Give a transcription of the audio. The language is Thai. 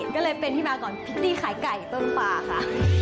ก็เลยเป็นที่มาก่อนพิธีขายไก่ต้นปลาค่ะ